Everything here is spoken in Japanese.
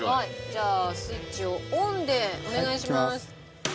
じゃあスイッチをオンでお願いします。